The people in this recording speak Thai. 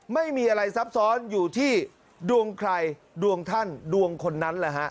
ไม่มีอะไรซับซ้อนอยู่ที่ดวงใครดวงท่านดวงคนนั้นแหละฮะ